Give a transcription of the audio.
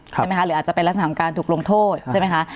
ใช่ไหมคะหรืออาจจะเป็นลักษณะของการถูกลงโทษใช่ไหมคะ